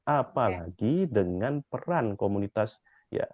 apalagi dengan peran komunitas ya